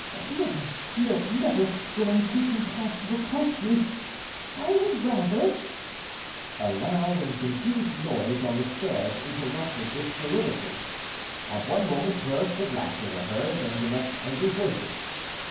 Never, no, never will I give him cause to reproach me! I would rather——" A loud and confused noise on the stairs interrupted this soliloquy. At one moment bursts of laughter were heard, and the next angry voices.